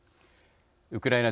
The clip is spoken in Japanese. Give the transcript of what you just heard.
ウクライナ